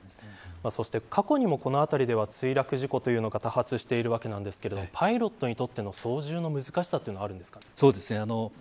そして過去にもこの辺りでは墜落事故が多発しているわけなんですけどパイロットにとっての操縦の難しさというのはあるんですか。